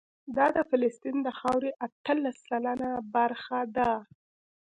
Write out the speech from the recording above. دا د فلسطین د خاورې اتلس سلنه برخه ده.